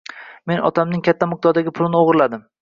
Men otamning katta miqdordagi pulini o‘g‘irladim.